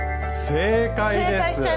正解です！